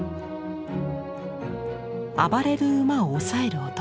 暴れる馬をおさえる男。